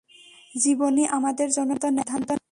জীবনই আমাদের জন্য সিদ্ধান্ত নেয়।